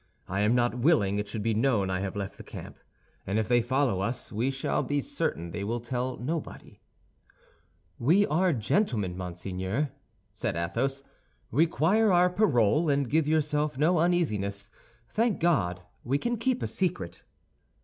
"I am not willing it should be known I have left the camp; and if they follow us we shall be certain they will tell nobody." "We are gentlemen, monseigneur," said Athos; "require our parole, and give yourself no uneasiness. Thank God, we can keep a secret."